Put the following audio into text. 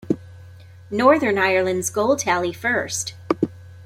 Northern Ireland's goal tally first.